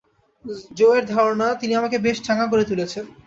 জো-এর ধারণা তিনি আমাকে বেশ চাঙা করে তুলেছেন।